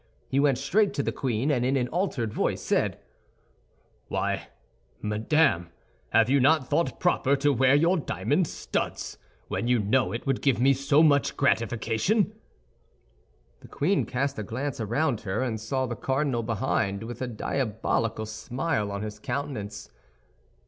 He went straight to the queen, and in an altered voice said, "Why, madame, have you not thought proper to wear your diamond studs, when you know it would give me so much gratification?" The queen cast a glance around her, and saw the cardinal behind, with a diabolical smile on his countenance.